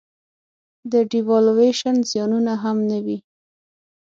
د devaluation زیانونه هم نه وي.